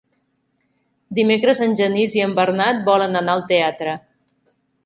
Dimecres en Genís i en Bernat volen anar al teatre.